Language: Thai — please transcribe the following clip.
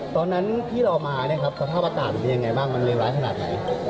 ตอนนั้นที่เรามาเนี่ยครับสภาพอากาศมันเป็นยังไงบ้างมันเลวร้ายขนาดไหน